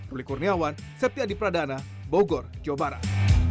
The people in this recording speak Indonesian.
ruli kurniawan septi adi pradana bogor jawa barat